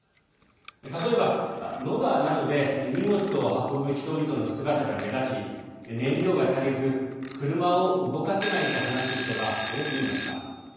例えば、ロバなどで荷物を運ぶ人々の姿が目立ち燃料が足りず、車を動かせないと話す人が多くいました。